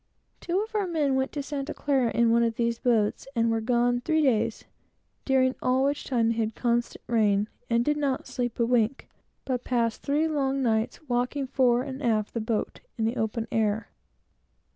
Two of our men went up to Santa Clara in one of these boats, and were gone three days, during all which time they had a constant rain, and did not sleep a wink, but passed three long nights, walking fore and aft the boat, in the open air.